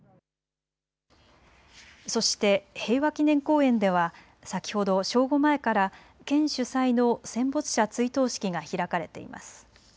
そして平和祈念公園では先ほど正午前から県主催の戦没者追悼式が開かれています。